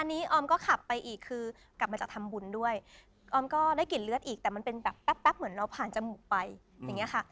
อันนี้ออมก็ขับไปอีกคือกลับมาจากทำบุญด้วยออมก็ได้กลิ่นเลือดอีกแต่มันเป็นแบบแป๊บเหมือนเราผ่านจมูกไปอย่างเงี้ยค่ะ